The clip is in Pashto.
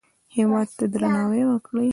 هېواد ته درناوی وکړئ